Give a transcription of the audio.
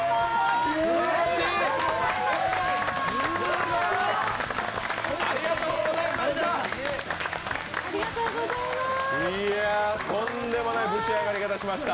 すごい！ありがとうございました。